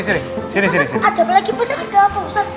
pakat ada apa lagi pak ustaz